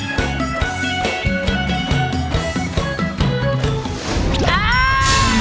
เสียบทุกเพลง